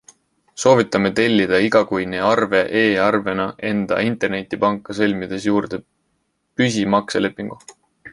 Soovitame tellida igakuine arve e-arvena enda internetipanka sõlmides juurde püsimakselepingu.